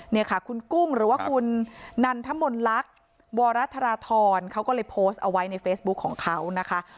นี่ค่ะคุณกุ้งหรือว่าคุณนันทมนต์ลักษณ์วรธรทรเขาก็เลยโพสต์เอาไว้ในเฟซบุ๊คของเขานะคะ